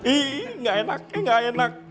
ih nggak enak ya nggak enak